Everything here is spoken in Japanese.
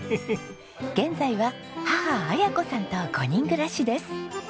現在は母あや子さんと５人暮らしです。